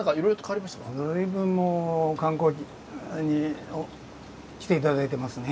随分もう観光に来ていただいてますね。